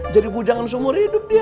jadi bujangan seumur hidup dia